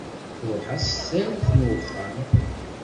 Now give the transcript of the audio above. Truḥ-as tsarut n uxxam.